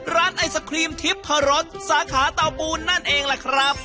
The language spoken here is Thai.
ร้านไอศครีมทิพรสสาขาเตาปูนนั่นเองล่ะครับ